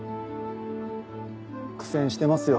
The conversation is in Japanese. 苦戦してますよ